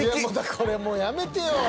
これもうやめてよ！